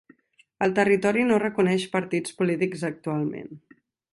El territori no reconeix partits polítics actualment.